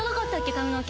髪の毛。